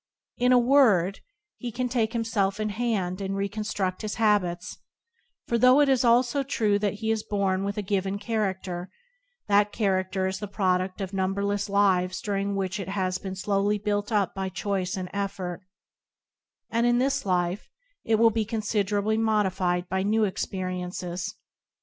In a word, he can take him [ *3 ] self in hand and reconstruct his habits; for though it is also true that he is born with a given character, that character is the pro dud of numberless lives during which it has been slowly built up by choice and effort, and in this life it will be considerably modi fied by new experiences.